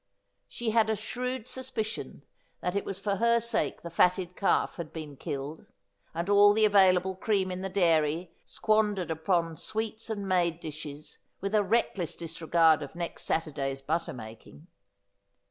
She had a shrewd suspicion that it was for her sake the fatted calf had been killed, and all the available cream in the dairy squandered upon sweets and made dishes, with a reckless disregard of next Saturday's butter making.